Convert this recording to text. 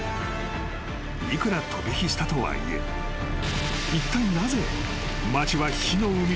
［いくら飛び火したとはいえいったい］